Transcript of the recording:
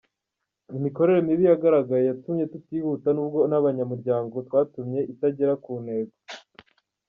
Imikorere mibi yagaragaye yatumye tutihuta nubwo n’abanyamuryango twatumye itagera ku ntego.